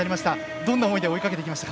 どんな思いで追いかけていきましたか？